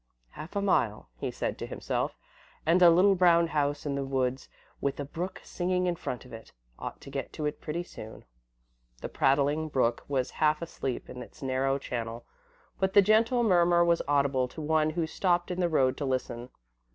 "Half a mile," he said to himself, "and a little brown house in the woods with a brook singing in front of it. Ought to get to it pretty soon." The prattling brook was half asleep in its narrow channel, but the gentle murmur was audible to one who stopped in the road to listen.